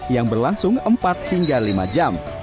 yang berlangsung empat hingga lima jam